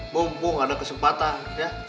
bumpung ada kesempatan ya